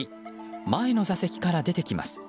前の座席から出てきます。